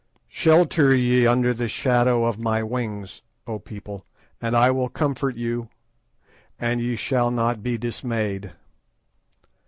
"Shelter ye under the shadow of my wings, O people, and I will comfort you, and ye shall not be dismayed.